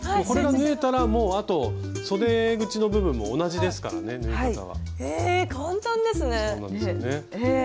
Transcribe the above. これが縫えたらもうあとそで口の部分も同じですからね縫い方は。え！